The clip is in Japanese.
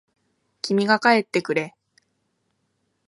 君が帰ってくれ。